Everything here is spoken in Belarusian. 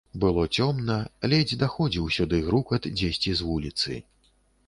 Было цёмна, ледзь даходзіў сюды грукат дзесьці з вуліцы.